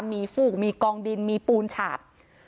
มีฟูกมีกองดินมีปูนฉาบ